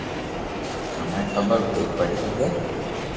مني خبر ڪوئي پڙي ھگي